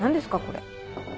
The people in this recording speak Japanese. これ。